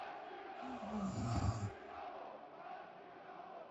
دا ځل د طالبانو خپله اداره